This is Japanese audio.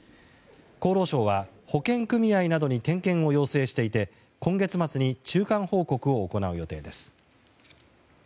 厚労省は保険組合などに点検を要請していて今月末までに中間報告を行う予定です。